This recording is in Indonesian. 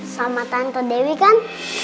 sama tante dewi kan